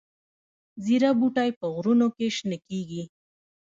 زیره بوټی په غرونو کې شنه کیږي؟